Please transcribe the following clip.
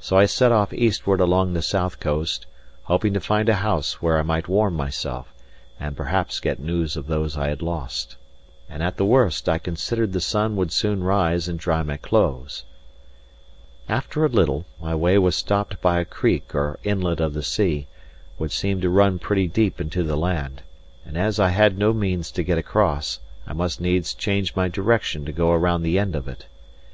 So I set off eastward along the south coast, hoping to find a house where I might warm myself, and perhaps get news of those I had lost. And at the worst, I considered the sun would soon rise and dry my clothes. After a little, my way was stopped by a creek or inlet of the sea, which seemed to run pretty deep into the land; and as I had no means to get across, I must needs change my direction to go about the end of it.